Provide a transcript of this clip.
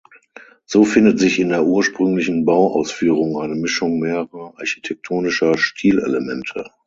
So findet sich in der ursprünglichen Bauausführung eine Mischung mehrerer architektonischer Stilelemente.